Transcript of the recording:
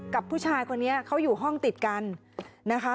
กับผู้ชายคนนี้เขาอยู่ห้องติดกันนะคะ